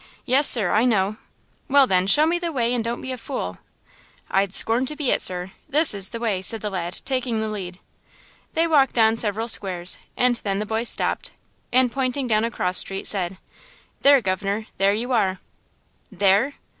Yes, sir, I know." "Well, then, show me the way and don't be a fool!" "I'd scorn to be it, sir. This is the way!" said the lad, taking the lead. They walked on several squares, and then the boy stopped, and pointing down a cross street, said: "There, governor; there you are." "There!